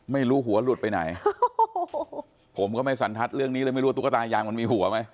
ไม่รู้หัวหลุดไปไหนผมก็ไม่สันทัศน์เรื่องนี้เลยไม่รู้ว่าตุ๊กตายางมันมีหัวไหม